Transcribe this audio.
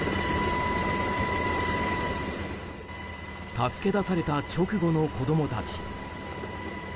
助け出された直後の子供たち。